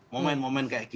momen momen kayak gini